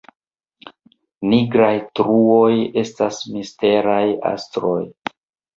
Nigraj truoj estas misteraj astroj